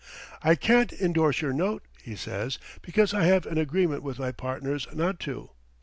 "I can't indorse your note," he says, "because I have an agreement with my partners not to."